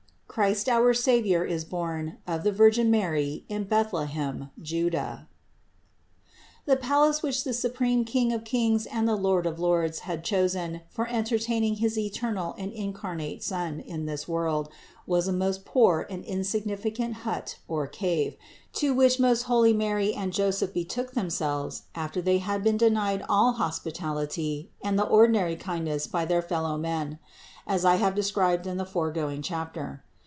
CHRIST OUR SAVIOR IS BORN OF THE VIRGIN MARY IN BETHLEHEM, JUDA, 468. The palace which the supreme King of kings and the Lord of lords had chosen for entertaining his eternal and incarnate Son in this world was a most poor and insignificant hut or cave, to which most holy Mary and Joseph betook themselves after they had been denied all hospitality and the most ordinary kindness by their fellow men, as I have described in the foregoing chapter.